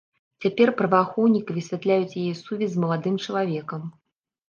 Цяпер праваахоўнікі высвятляюць яе сувязь з маладым чалавекам.